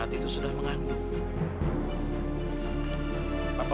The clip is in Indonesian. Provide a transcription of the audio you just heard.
ranti akhirnya pergi meninggalkan papa